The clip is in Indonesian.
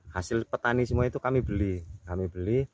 hasil petani semua itu kami beli